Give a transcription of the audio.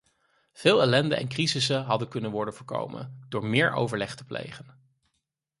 Veel ellende en crisissen hadden kunnen worden voorkomen door meer overleg te plegen.